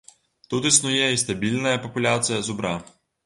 Тут існуе і стабільная папуляцыя зубра.